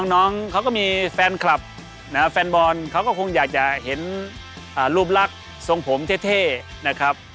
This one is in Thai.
น้องเขาก็มีแฟนคลับแฟนบอลเขาก็คงอยากจะเห็นรูปลักษณ์ทรงผมเท่นะครับ